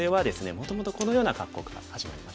もともとこのような格好から始まりましたね。